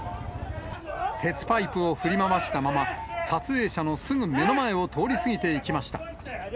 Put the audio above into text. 鉄パイプを振り回したまま、撮影者のすぐ目の前を通り過ぎていきました。